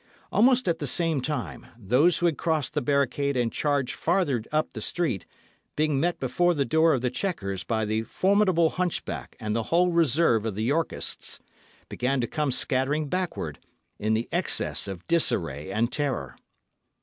Almost at the same time, those who had crossed the barricade and charged farther up the street, being met before the door of the Chequers by the formidable hunchback and the whole reserve of the Yorkists, began to come scattering backward, in the excess of disarray and terror.